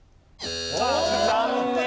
残念。